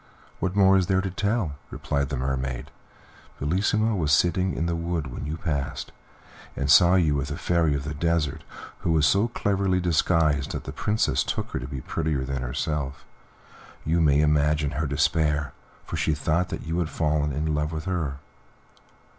"What more is there to tell you?" replied the Mermaid. "Bellissima was sitting in the wood when you passed, and saw you with the Fairy of the Desert, who was so cleverly disguised that the Princess took her to be prettier than herself; you may imagine her despair, for she thought that you had fallen in love with her."